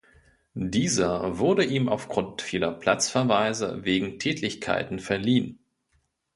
Dieser wurde ihm aufgrund vieler Platzverweise wegen Tätlichkeiten verliehen.